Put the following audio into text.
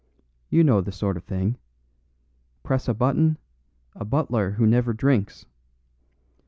You know the sort of thing: 'Press a Button A Butler who Never Drinks.